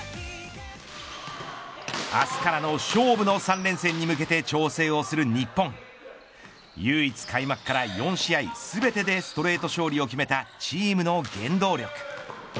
明日からの勝負の３連戦に向けて調整をする日本．唯一開幕から４試合全てでストレート勝利を決めたチームの原動力。